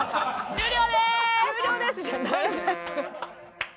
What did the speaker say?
「終了です」じゃないのよ。